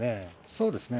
そうですね。